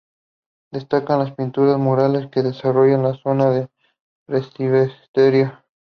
Destacan las pinturas murales que decoraban la zona del presbiterio.